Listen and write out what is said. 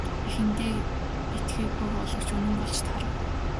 Эхэндээ итгээгүй боловч үнэн болж таарав.